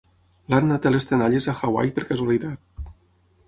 L'Anna té les tenalles a Hawaii per casualitat.